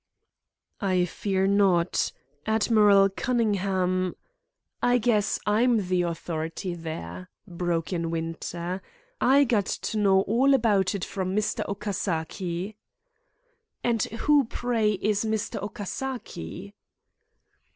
"I fear not. Admiral Cunningham " "I guess I'm the authority there," broke in Winter. "I got to know all about it from Mr. Okasaki." "And who, pray, is Mr. Okasaki?"